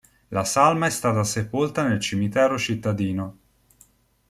La salma è stata sepolta nel cimitero cittadino.